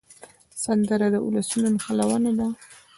سندره د ولسونو نښلونه ده